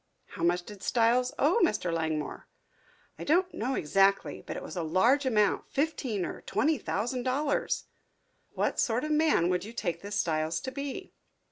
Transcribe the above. "How much did Styles owe Mr. Langmore?" "I don't know exactly, but it was a large amount, fifteen or twenty thousand dollars." "What sort of a man would you take this Styles to he?"